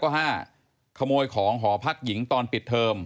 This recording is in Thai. ๕ขโมยของหอพักหญิงตอนปิดเทอม